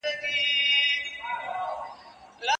لاندي باندي به جهان کړې ما به غواړې نه به یمه